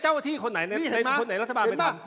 เจ้าอาทิตย์คนไหนคนไหนรัฐบาลไปทำ